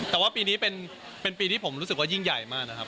แต่ว่าปีนี้เป็นปีที่ผมรู้สึกว่ายิ่งใหญ่มากนะครับ